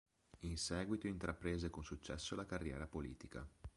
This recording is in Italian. In seguito intraprese con successo la carriera politica.